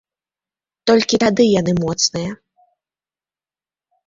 Толькі тады яны моцныя.